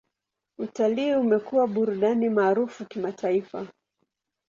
Utalii umekuwa burudani maarufu kimataifa.